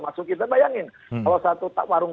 masuk kita bayangin kalau satu warung